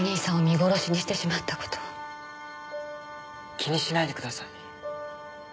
気にしないでください。